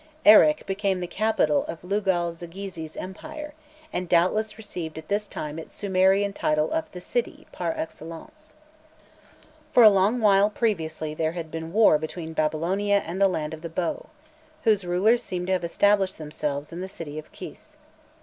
Erech became the capital of Lugal zaggisi's empire, and doubtless received at this time its Sumerian title of "the city" par excellence. For a long while previously there had been war between Babylonia and the "Land of the Bow," whose rulers seem to have established themselves in the city of Kis.